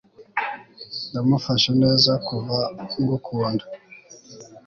Ndamufashe neza kuva ngukunda